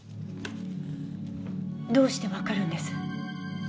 どうしてわかるんです？